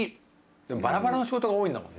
でもバラバラの仕事が多いんだもんね。